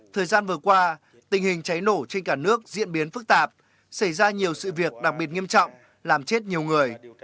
thời gian vừa qua tình hình cháy nổ trên cả nước diễn biến phức tạp xảy ra nhiều sự việc đặc biệt nghiêm trọng làm chết nhiều người